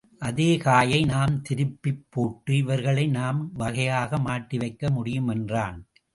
அதே காயை நாம் திருப்பிப் போட்டு இவர்களை நாம் வகையாக மாட்டி வைக்க முடியும் என்றான்.